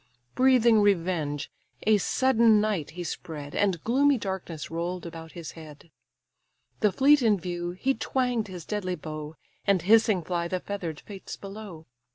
Breathing revenge, a sudden night he spread, And gloomy darkness roll'd about his head. The fleet in view, he twang'd his deadly bow, And hissing fly the feather'd fates below.